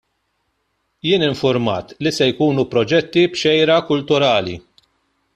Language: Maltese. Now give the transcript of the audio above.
Jien informat li se jkunu proġetti b'xejra kulturali.